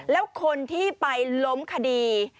แล้วคนที่ไปล้มคดี